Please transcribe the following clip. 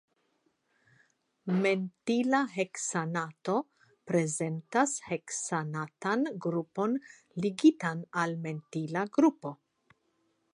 Mentila heksanato prezentas heksanatan grupon ligitan al mentila grupo.